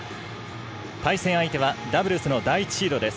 対戦相手はダブルスの第１シードです。